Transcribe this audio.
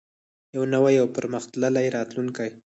یو نوی او پرمختللی راتلونکی.